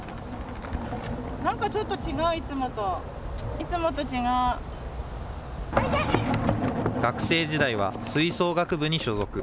なんかちょっと違う、いつもと、学生時代は吹奏楽部に所属。